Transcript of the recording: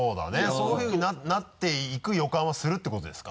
そういうふうになっていく予感はするってことですか？